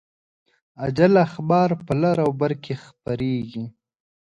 عاجل اخبار په لر او بر کې خپریږي